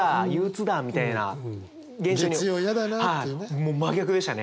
もう真逆でしたね。